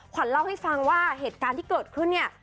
ขวัญเล่าให้ฟังว่าเหตุการณ์ที่เกิดขึ้นเนี่ย